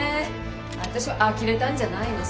私はあきれたんじゃないの。